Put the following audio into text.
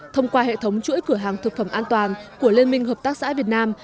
thông qua hệ thống chuỗi cửa hàng thực phẩm an toàn của liên minh hợp tác xã việt nam